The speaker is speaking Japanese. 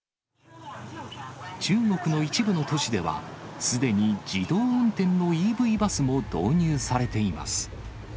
中国の一部の都市ではすでに自動運転のＥＶバスも導入されています。